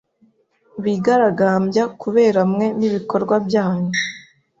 bigaragambya kubera mwe nibikorwa byanyu